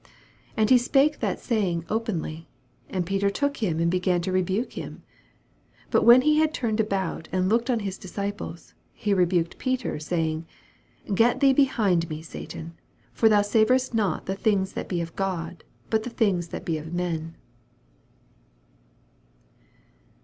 32 And he spake that saying open ly. And Peter took him, and began to rebuke him. 33 But when he had turned about and looked on his disciples.he rebuked Peter, saying, Get thee behind me, Satan : for thou savorest not tba things that be of God, but the things that be of men.